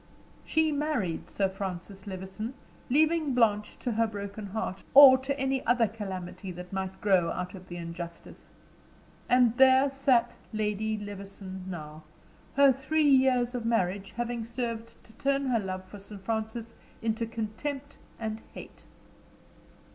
She married Sir Francis Levison, leaving Blanche to her broken heart, or to any other calamity that might grow out of the injustice. And there sat Lady Levison now, her three years of marriage having served to turn her love for Sir Francis into contempt and hate.